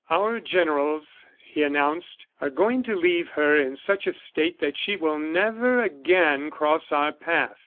"Our generals," he announced, "are going to leave her in such a state that she will never again cross our path."